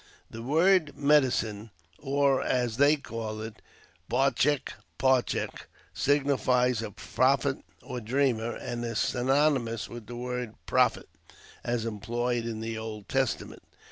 The word medicine (or, as they call it, Barchh Parchh) signifies a prophet or dreamer, and is synonymous with the word prophet as employed in the Old Testament.